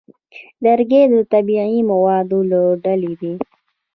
لرګی د طبیعي موادو له ډلې دی.